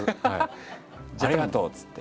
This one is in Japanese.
「ありがとう」っつって。